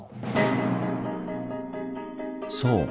そう！